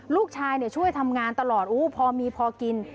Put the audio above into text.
ลูกชายช่วยทำงานตลอดพอมีพอกิน